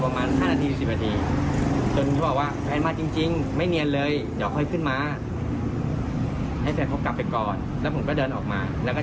ไปเจอในแชตไลน์ค่ะ